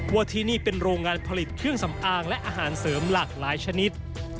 ว่าที่นี่เป็นโรงงานผลิตเครื่องสำอางและอาหารเสริมหลากหลายชนิด